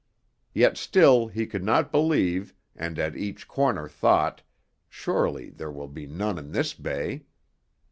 Yet still he could not believe, and at each corner thought, 'Surely there will be none in this bay.'